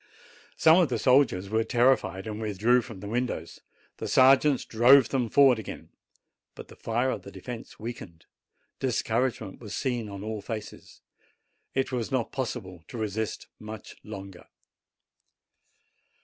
Some of the soldiers were terrified, and withdrew from the windows; the sergeants drove them forward again. But the fire of the defence weakened; discouragement was seen on all faces. It was not possible to resist much longer.